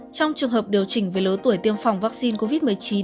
trong trường hợp điều chỉnh về lứa tuổi tiêm phòng vaccine covid một mươi chín